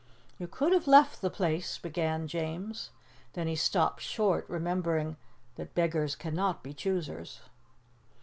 "You could have left the place " began James. Then he stopped short, remembering that beggars cannot be choosers.